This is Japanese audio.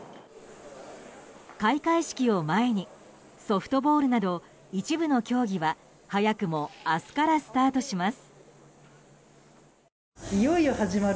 開会式を前にソフトボールなど一部の競技は早くも明日からスタートします。